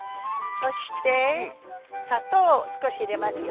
そして砂糖を少し入れますよ。